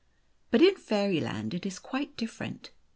But in Fairyland it is quite different.